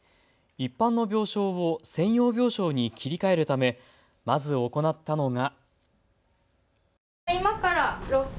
一般の病床を専用病床に切り替えるためまず行ったのが。